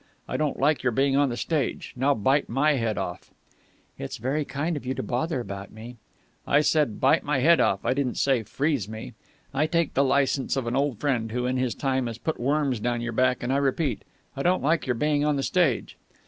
I don't like your being on the stage. Now bite my head off!" "It's very kind of you to bother about me...." "I said 'Bite my head off!' I didn't say 'Freeze me!' I take the licence of an old friend who in his time has put worms down your back, and I repeat I don't like your being on the stage."